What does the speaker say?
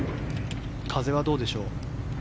風はどうでしょう。